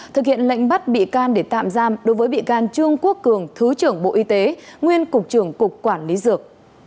thực hiện lệnh bắt bị can để tạm giam đối với bị can trương quốc cường thứ trưởng bộ y tế nguyên cục trưởng cục quản lý dược